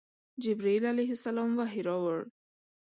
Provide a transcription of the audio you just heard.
جبرائیل علیه السلام وحی راوړ.